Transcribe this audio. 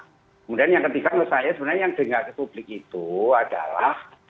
kemudian yang ketiga menurut saya sebenarnya yang didengar ke publik itu adalah